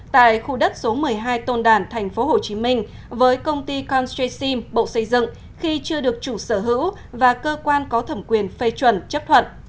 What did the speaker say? tại khu đất số một mươi hai tôn đản tp hcm với công ty con xoaym bộ xây dựng khi chưa được chủ sở hữu và cơ quan có thẩm quyền phê chuẩn chấp thuận